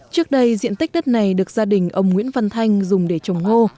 trước đây diện tích đất này được gia đình ông nguyễn văn thanh dùng để trồng ngô